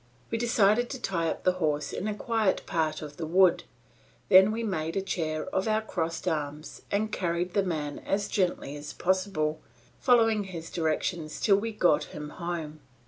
We decided to tie up the horse in a quiet part of the wood; then we made a chair of our crossed arms and carried the man as gently as possible, following his directions till we got him home.